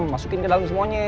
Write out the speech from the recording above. masukin ke dalam semuanya